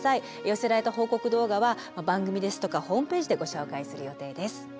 寄せられた報告動画は番組ですとかホームページでご紹介する予定です。